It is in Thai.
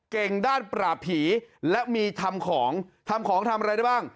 เก่งด้านปราบผีและมีทำของทำของทำอะไรได้บ้าง